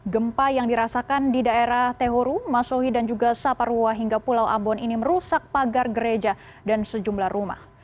gempa yang dirasakan di daerah tehoru masahi dan juga saparua hingga pulau ambon ini merusak pagar gereja dan sejumlah rumah